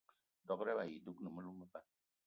Dob-ro ayi dougni melou meba.